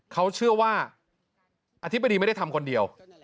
เขาเชื่อว่าอธิบดีไม่ได้ทำคนเดียว